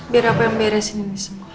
biar apa yang beresin ini semua